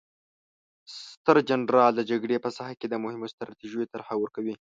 ستر جنرال د جګړې په ساحه کې د مهمو ستراتیژیو طرحه ورکوي.